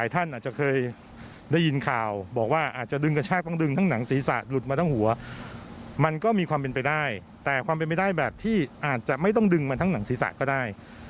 แต่ความเป็นไม่ได้แบบที่อาจจะไม่ต้องดึงมาทั้งหนังศีรษะก็ได้